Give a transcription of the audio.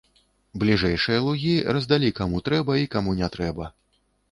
Бліжэйшыя лугі раздалі каму трэба і каму не трэба.